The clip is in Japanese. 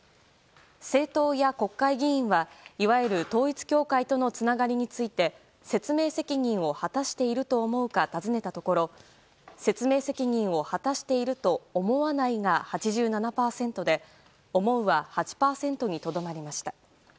政党や国会議員はいわゆる統一教会とのつながりについて説明責任を果たしていると思うか尋ねたところ説明責任を果たしていると思わないが８７％で思うは８％にとどまりました。